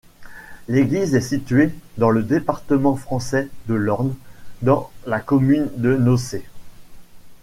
L'église est située dans le département français de l'Orne dans la commune de Nocé.